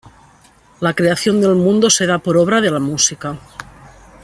La creación del mundo se da por obra de la música.